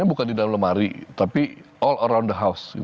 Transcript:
bukan di dalam lemari tapi all or on the house